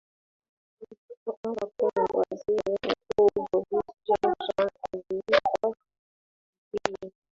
namba kumi Waziri Mkuu Boris Johnson aliita tukio